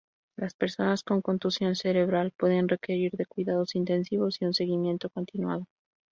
Las personas con contusión cerebral pueden requerir de cuidados intensivos y un seguimiento continuado.